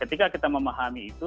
ketika kita memahami itu